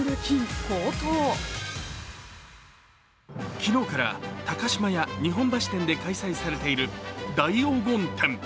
昨日から高島屋日本橋店で開催されている大黄金展。